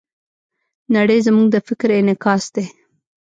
نړۍ زموږ د فکر انعکاس ده.